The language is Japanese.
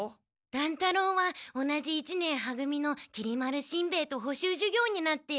乱太郎は同じ一年は組のきり丸しんベヱと補習授業になって。